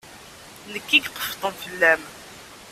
Nekk i iqeffṭen fell-am.